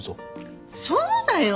そうだよ！